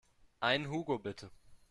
Einen Hugo bitte.